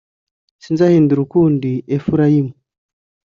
sinzarimbura ukundi Efurayimu;